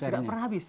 nggak pernah habis